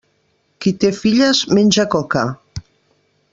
Qui té filles menja coca.